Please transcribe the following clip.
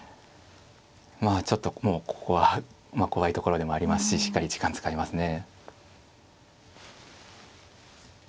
まあちょっともうここは怖いところでもありますししっかり時間使いますね。